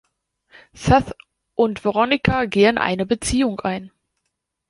Seth und Veronica gehen eine Beziehung ein.